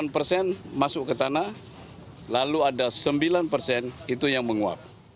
delapan persen masuk ke tanah lalu ada sembilan persen itu yang menguap